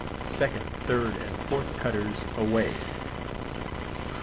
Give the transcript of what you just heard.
SECOND, THIRD, AND FOURTH CUTTERS, AWAY!